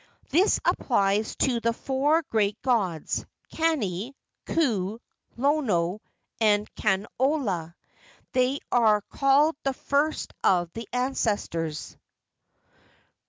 This applies to the four great gods, Kane, Ku, Lono, and Kanaloa. They are called the first of the ancestors.